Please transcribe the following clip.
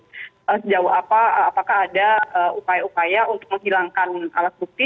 sejauh apa apakah ada upaya upaya untuk menghilangkan alat bukti